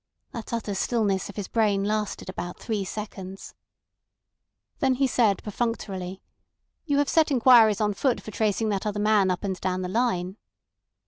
That utter stillness of his brain lasted about three seconds. Then he said perfunctorily: "You have set inquiries on foot for tracing that other man up and down the line?"